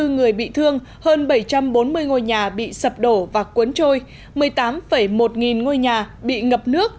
hai mươi người bị thương hơn bảy trăm bốn mươi ngôi nhà bị sập đổ và cuốn trôi một mươi tám một nghìn ngôi nhà bị ngập nước